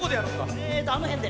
えとあのへんで。